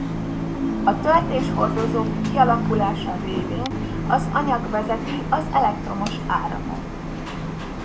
A töltéshordozók kialakulása révén az anyag vezeti az elektromos áramot.